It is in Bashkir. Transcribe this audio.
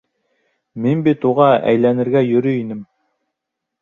Мин бит уға әйләнергә йөрөй инем!